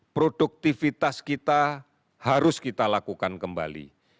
produktivitas kita harus kita lakukan kembali